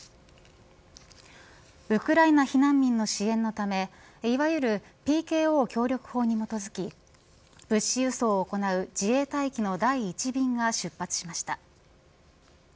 ウクライナ避難民の支援のためいわゆるＰＫＯ協力法に基づき物資輸送を行う自衛隊機の第１便が出発しました。